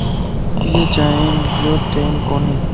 ايو چائين جو ٽيم ڪوني